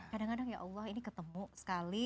kadang kadang ya allah ini ketemu sekali